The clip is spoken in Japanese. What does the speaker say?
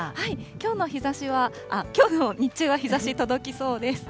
きょうの日ざしは、きょうの日中は日ざし、届きそうです。